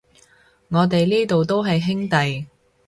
我哋呢度都係兄弟